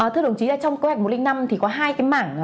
thưa đồng chí trong kế hoạch một trăm linh năm thì có hai cái mảng